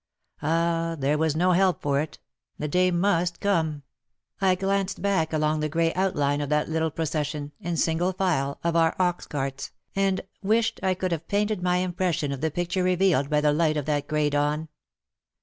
Ah ! there was no help for it — the day must come !— I glanced »•«. WAR AND WOMEN 95 back along the grey outline of that little pro cession — in single file — of our ox carts, and wished I could have painted my impression of the picture revealed by the light of that grey dawn.